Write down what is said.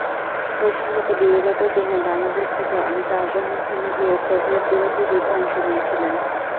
প্রসঙ্গত, বিগত দিনে বাংলাদেশ থেকে অনেকে আফগানিস্তানে গিয়ে সোভিয়েতবিরোধী যুদ্ধে অংশ নিয়েছিলেন।